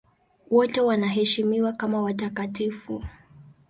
Wote wanaheshimiwa kama watakatifu.